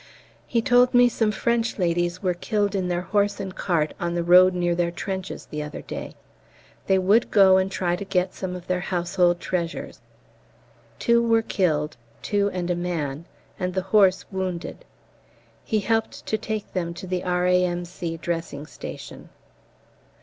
He told me some French ladies were killed in their horse and cart on the road near their trenches the other day; they would go and try and get some of their household treasures. Two were killed two and a man and the horse wounded. He helped to take them to the R.A.M.C. dressing station.